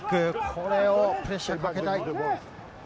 ここプレッシャーかけたい。